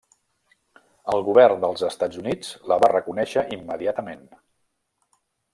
El govern dels Estats Units la va reconèixer immediatament.